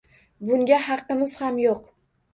Bunga haqqimiz ham yo‘q